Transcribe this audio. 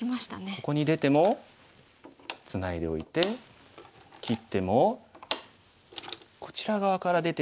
ここに出てもツナいでおいて切ってもこちら側から出ていけば脱出ですね。